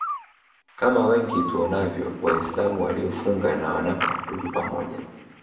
kama wengi tuonavyo waislamu waliofunga na wanapofuturu pamoja